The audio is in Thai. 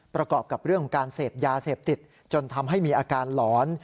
ประกอบกับเรื่องของการเสพยาเสพติดจนทำให้มีอาการหลอน